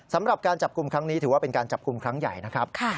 สำหรับการจับกลุ่มครั้งนี้ถือว่าเป็นการจับกลุ่มครั้งใหญ่นะครับ